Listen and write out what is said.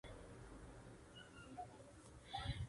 Queda pues claro que Guetaria fue fundada por los reyes de Navarra.